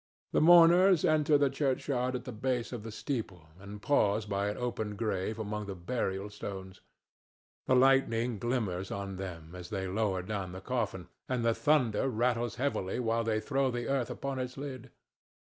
The mourners enter the churchyard at the base of the steeple and pause by an open grave among the burial stones; the lightning glimmers on them as they lower down the coffin, and the thunder rattles heavily while they throw the earth upon its lid.